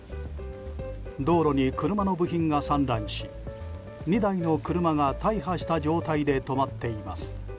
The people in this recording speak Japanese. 道路に車の部品が散乱し２台の車が大破した状態で止まっています。